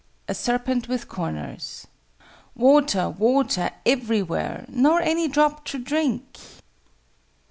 A SERPENT WITH CORNERS. "Water, water, every where, Nor any drop to drink."